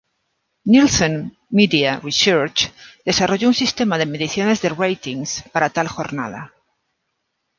Nielsen Media Research desarrolló un sistema de mediciones de ratings para tal jornada.